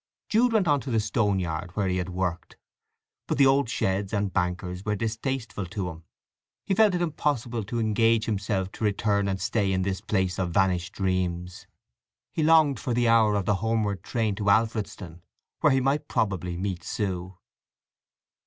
Jude went on to the stone yard where he had worked. But the old sheds and bankers were distasteful to him; he felt it impossible to engage himself to return and stay in this place of vanished dreams. He longed for the hour of the homeward train to Alfredston, where he might probably meet Sue.